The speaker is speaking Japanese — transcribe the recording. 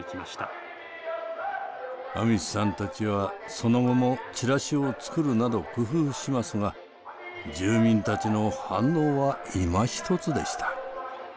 アミシさんたちはその後もチラシを作るなど工夫しますが住民たちの反応はいまひとつでした。